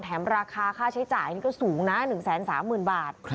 ราคาค่าใช้จ่ายนี่ก็สูงนะ๑๓๐๐๐บาท